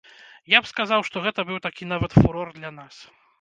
Я б сказаў, што гэта быў такі нават фурор для нас.